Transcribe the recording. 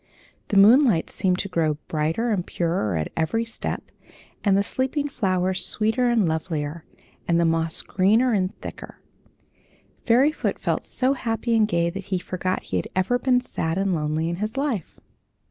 The moonlight seemed to grow brighter and purer at every step, and the sleeping flowers sweeter and lovelier, and the moss greener and thicken Fairyfoot felt so happy and gay that he forgot he had ever been sad and lonely in his life.